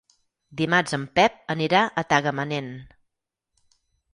Dimarts en Pep anirà a Tagamanent.